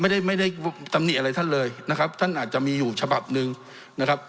ไม่ได้ไม่ได้ตำหนิอะไรท่านเลยนะครับท่านอาจจะมีอยู่ฉบับหนึ่งนะครับ